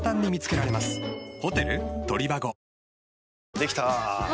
できたぁ。